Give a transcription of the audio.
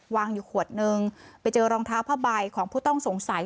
วางอยู่ขวดนึงไปเจอรองเท้าผ้าใบของผู้ต้องสงสัย